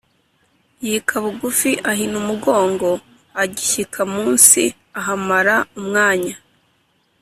Yika bugufi ahina umugongo Agishyika mu nsi ahamara umwanya